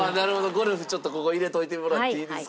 「ゴルフちょっとここ入れといてもらっていいですか？」